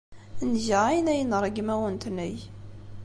Nga ayen ay nṛeggem ad awent-t-neg.